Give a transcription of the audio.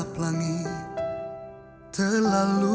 aku akan mencari kamu